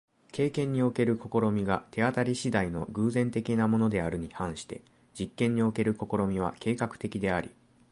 経験における試みが手当り次第の偶然的なものであるに反して、実験における試みは計画的であり、